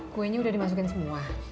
kuenya udah dimasukin semua